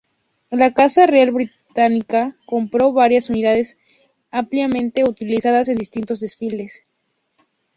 La Casa Real Británica compró varias unidades, ampliamente utilizadas en distintos desfiles.